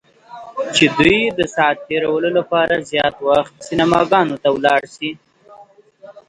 چې دوی د ساعت تیریو لپاره زیات وخت سینماګانو ته ولاړ شي.